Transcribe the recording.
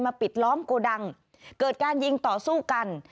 ปิดล้อมโกดังเกิดการยิงต่อสู้กัน